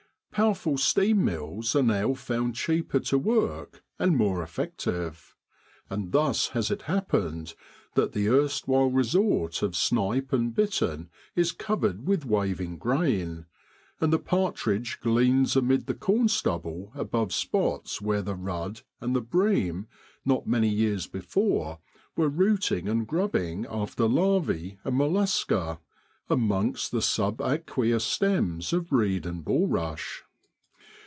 Powerful steam mills are now found cheaper to work and more effective. And thus has.it happened that the erstwhile resort of snipe and bittern is covered with waving grain ; and the partridge gleans amid the corn stubble above spots where the rudd and the bream, not many years before, were rooting and grubbing after Jarvse and mollusca, amongst the sub aqueous stems of reed and bullrush.